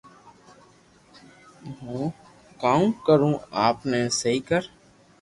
ھون ڪاوُ ڪارو اپ تو سھي ڪر